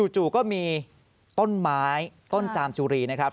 จู่ก็มีต้นไม้ต้นจามจุรีนะครับ